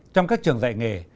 trong các trường dạy nghề